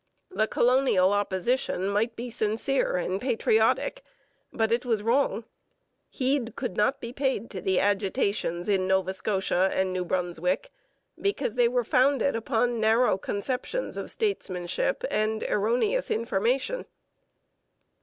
The colonial opposition might be sincere and patriotic, but it was wrong. Heed could not be paid to the agitations in Nova Scotia and New Brunswick because they were founded upon narrow conceptions of statesmanship and erroneous information.